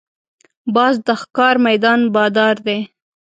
باز د ښکار میدان بادار دی